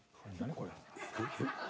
これ。